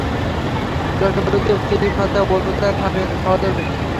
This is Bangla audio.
লোকে বলিত, কৃপণতায় অনু তার স্বামীর সহধর্মিণী।